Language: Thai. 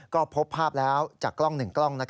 ก็พบภาพแล้วจากกล้อง๑กล้อง